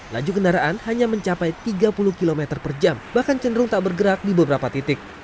laju kendaraan hanya mencapai tiga puluh km per jam bahkan cenderung tak bergerak di beberapa titik